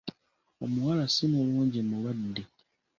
Omuwala si mulungi Mulwadde.